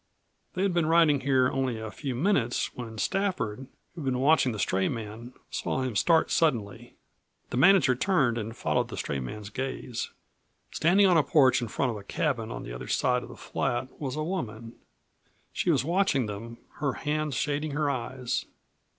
They had been riding here only a few minutes when Stafford, who had been watching the stray man, saw him start suddenly. The manager turned and followed the stray man's gaze. Standing on a porch in front of a cabin on the other side of the flat was a woman. She was watching them, her hands shading her eyes.